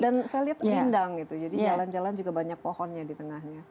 dan saya lihat rindang itu jadi jalan jalan juga banyak pohonnya di tengahnya